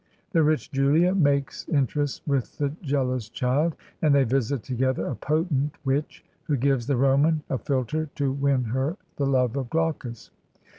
The rich Julia makes in terest with the jealous child, and they visit together a potent witch who gives the Roman a philter to win her the love of Glaucus.